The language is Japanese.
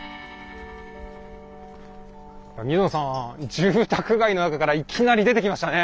住宅街の中からいきなり出てきましたね。